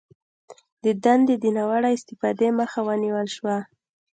د دندې د ناوړه استفادې مخه ونیول شوه